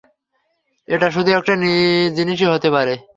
ওটা শুধু একটা জিনিসই হতে পারে।